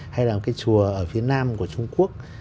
hay là cái chùa ở phía nam của trung quốc